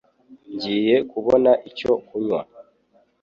Ngiye kubona icyo kunywa